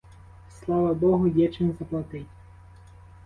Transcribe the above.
Слава богу, є чим заплатить.